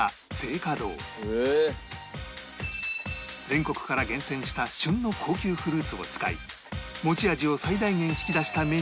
全国から厳選した旬の高級フルーツを使い持ち味を最大限引き出したメニューが人気のお店